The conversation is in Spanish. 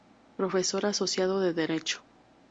Profesor asociado de Derecho.